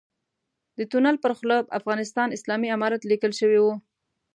د تونل پر خوله افغانستان اسلامي امارت ليکل شوی و.